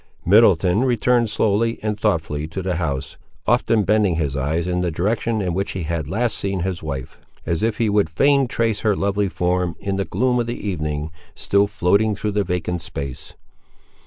Middleton returned slowly and thoughtfully to the house, often bending his eyes in the direction in which he had last seen his wife, as if he would fain trace her lovely form, in the gloom of the evening, still floating through the vacant space.